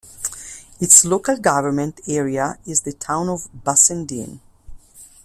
Its local government area is the Town of Bassendean.